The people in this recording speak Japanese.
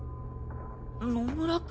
野村君。